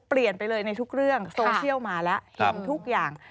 เปลี่ยนไปเลยในทุกเรื่องโซเชียลมาแล้วเห็นทุกอย่าง